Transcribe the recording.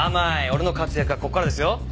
俺の活躍はここからですよ！